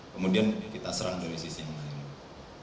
kemudian kita serang dari sisi yang lain